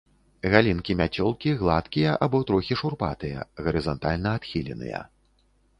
Галінкі мяцёлкі гладкія або трохі шурпатыя, гарызантальна адхіленыя.